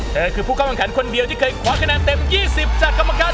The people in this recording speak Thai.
เธอคือผู้กำลังขันคนเดียวที่เคยขวาคะแนนเต็ม๒๐จากกำลังขัน